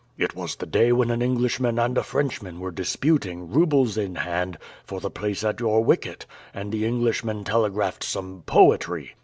"It was the day when an Englishman and a Frenchman were disputing, roubles in hand, for the place at your wicket, and the Englishman telegraphed some poetry."